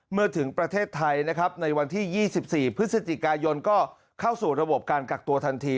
เมื่อถึงประเทศไทยนะครับในวันที่๒๔พฤศจิกายนก็เข้าสู่ระบบการกักตัวทันที